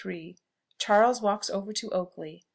CHARLES WALKS OVER TO OAKLEY.